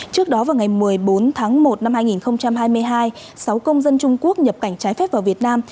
trước đó vào ngày một mươi bốn tháng một năm hai nghìn hai mươi hai sáu công dân trung quốc nhập cảnh trái phép vào việt nam